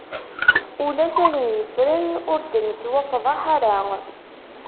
Ulac ayen yeffren ur d-nettwafḍaḥ ara.